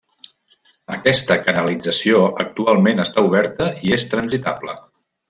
Aquesta canalització actualment està oberta i és transitable.